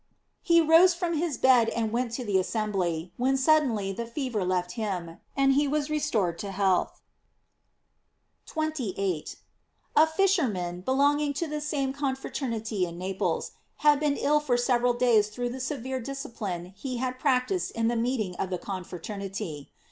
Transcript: He rose from his bed and went to the assembly, when suddenly the fever left him, and he was restored to health. f 28. — A fisherman, belonging to the same con fraternity in Naples, had been ill for several days through the severe discipline he had prac tised in the meeting of the confraternity.